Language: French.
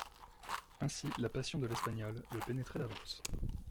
Ainsi la passion de l'espagnole le pénétrait d'avance.